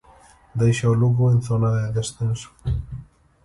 Deixa o Lugo en zona de descenso.